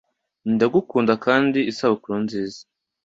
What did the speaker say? ndagukunda kandi isabukuru nziza